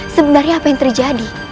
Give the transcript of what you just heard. sebenarnya apa yang terjadi